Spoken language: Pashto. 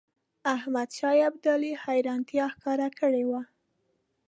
احمدشاه ابدالي حیرانیتا ښکاره کړې وه.